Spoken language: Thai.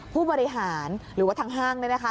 ผู้บริหารหรือว่าทางห้างเนี่ยนะคะ